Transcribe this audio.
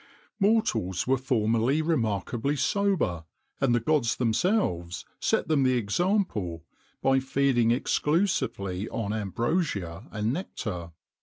Mortals were formerly remarkably sober, and the gods themselves set them the example, by feeding exclusively on ambrosia and nectar.